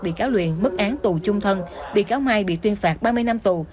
bị cáo luyện bức án tù chung thân bị cáo mai bị tuyên phạt ba mươi năm tù